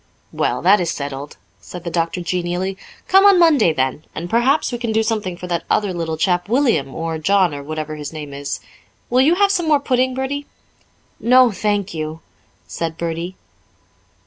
"Well, that is settled," said the doctor genially. "Come on Monday then. And perhaps we can do something for that other little chap, William, or John, or whatever his name is. Will you have some more pudding, Bertie?" "No, thank you," said Bertie.